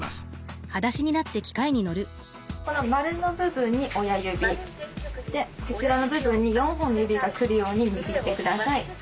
この丸の部分に親指でこちらの部分に４本の指が来るように握ってください。